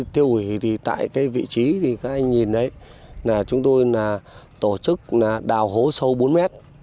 tiêu hủy tại vị trí các anh nhìn đấy chúng tôi tổ chức đào hố sâu bốn m